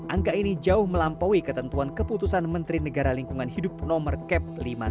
angka ini jauh melampaui ketentuan keputusan menteri negara lingkungan hidup nomor kep lima puluh satu